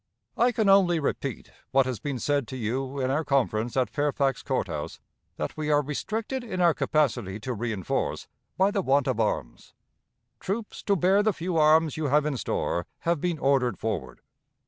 I can only repeat what has been said to you in our conference at Fairfax Court House, that we are restricted in our capacity to reënforce by the want of arms. Troops to bear the few arms you have in store have been ordered forward.